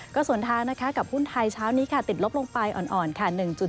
ก็ส่วนทางนะคะกับหุ้นไทยเช้านี้ค่ะติดลบลงไปอ่อนค่ะ